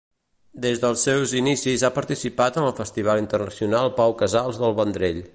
Des dels seus inicis ha participat en el Festival Internacional Pau Casals del Vendrell.